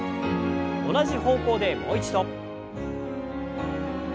同じ方向でもう一度。